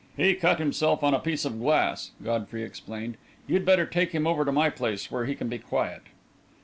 "He cut himself on a piece of glass," Godfrey explained. "You'd better take him over to my place, where he can be quiet."